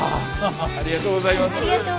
ありがとうございます。